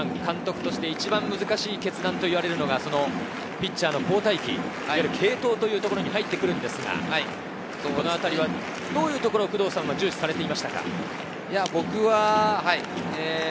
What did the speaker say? あとは工藤さん、監督として一番難しい決断と言われるのがピッチャーの交代機、継投というところに入ってきますが、そのあたりはどういうところを重視されていましたか？